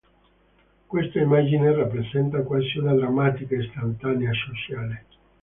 Questa immagine rappresenta quasi una drammatica "istantanea sociale".